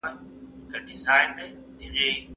آس په ډېر جرئت سره د کوهي د تنګو دېوالونو څخه ځان خلاص کړ.